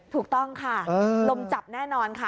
ถูกต้องค่ะลมจับแน่นอนค่ะ